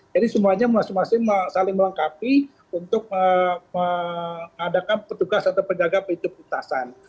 jadi semuanya masing masing saling melengkapi untuk mengadakan petugas atau penjaga pintu perlintasan